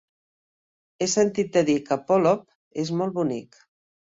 He sentit a dir que Polop és molt bonic.